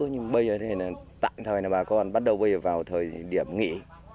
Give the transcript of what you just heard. nhưng bây giờ thì tạm thời là bà con bắt đầu bây giờ vào thời điểm nghỉ